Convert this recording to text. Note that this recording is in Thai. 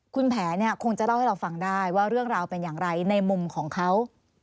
คุณแผลเนี่ยคงจะเล่าให้เราฟังได้ว่าเรื่องราวเป็นอย่างไรในมุมของเขา